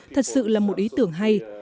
thật sự là một ý tưởng hay